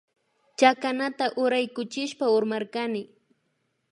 Chakanata uraykuchishpa urmarkani